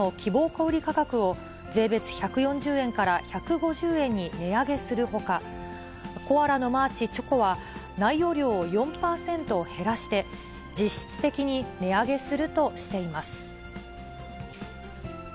小売り価格を税別１４０円から１５０円に値上げするほか、コアラのマーチチョコは、内容量を４％減らして、実質的に値上げするとしています。